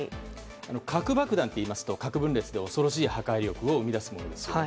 核爆弾といいますと核分裂で恐ろしい破壊力を生み出すものですよね。